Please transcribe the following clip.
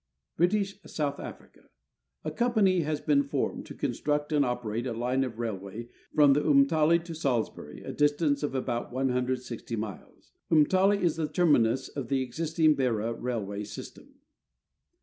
British South Africa. A company has been formed to construct and operate a line of railway from Umtali to Salisbury, a distance of about 160 miles. Umtali is the terminus of the existing Beira railway system.